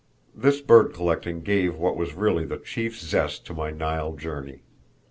This bird collecting gave what was really the chief zest to my Nile journey.